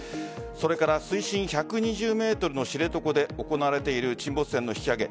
それから水深１２０ｍの知床で行われている沈没船の引き揚げ。